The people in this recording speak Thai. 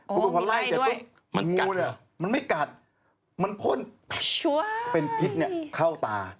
มีไล่ด้วยมันกัดเหรอมันไม่กัดมันพ่นเป็นพิษเข้าตา